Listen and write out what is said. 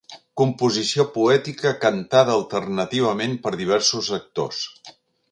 Composició poètica cantada alternativament per diversos actors.